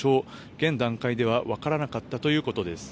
現段階では分からなかったということです。